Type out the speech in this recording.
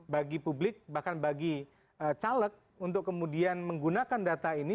bagi publik bahkan bagi caleg untuk kemudian menggunakan data ini